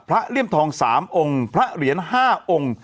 เลี่ยมทอง๓องค์พระเหรียญ๕องค์